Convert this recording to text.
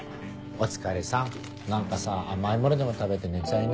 お疲れさん何かさ甘いものでも食べて寝ちゃいな。